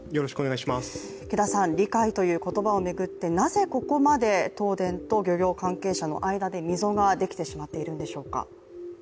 理解という言葉を巡って、なぜここまで東電と漁業関係者の間で溝ができてしまっているんでしょうか。